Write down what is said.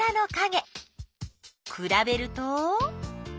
くらべると？